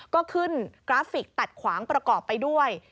ก็ขึ้นกราฟิกตัดขวางประกอบไปด้วย